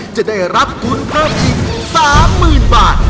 จะได้รับทุนเพิ่มอีก๓๐๐๐บาท